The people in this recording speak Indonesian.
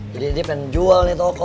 jadi pengen jual nih toko